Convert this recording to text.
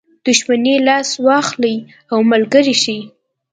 دښمني لاس واخلي او ملګری شي.